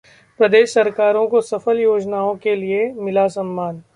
प्रदेश सरकारों को सफल योजनाओं के लिए मिला सम्मान